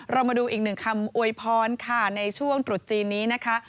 เรามาดูอีกหนึ่งคำอวยพรค่ะในช่วงตรุษจีนนี้นะคะ